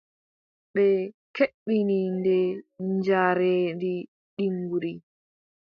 Ɓe kebbini nde njaareendi ɗiggundi.